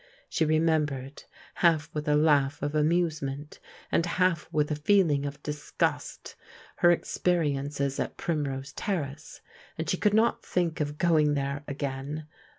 She remembered, half with a laugh of amusement, and half with a feeling of disgust, her experiences at Prim rose Terrace, and she could not think of going there again.